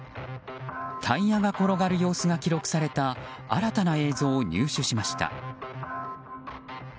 タイヤが転がる様子が記録された新たな映像を入手しました。